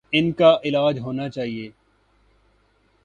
ان کا علاج ہونا چاہیے۔